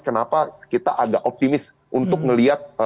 kenapa kita agak optimis untuk melihat